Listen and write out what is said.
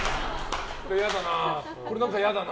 これ何か嫌だな。